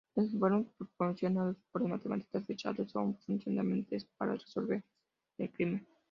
Los informes proporcionados por las matemáticas de Charlie son fundamentales para resolver el crimen.